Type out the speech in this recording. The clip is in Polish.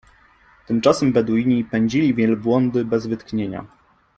Tymczasem Beduini pędzili wielbłądy bez wytchnienia.